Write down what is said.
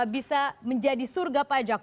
bisa menjadi surga pajak